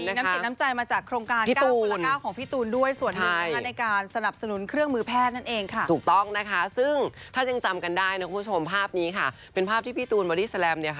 นำเสียดน้ำใจมาจากโครงการ๙คนละ๙ของพี่ตูนด้วย